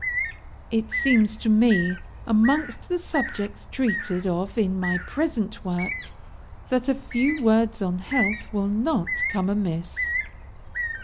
It seems to me, amongst the subjects treated of in my present work, that a few words on health will not come amiss.